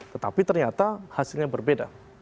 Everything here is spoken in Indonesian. tetapi ternyata hasilnya berbeda